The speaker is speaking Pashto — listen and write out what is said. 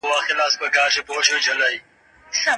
دغه بدلونونه يو ستر انقلاب بلل کېږي.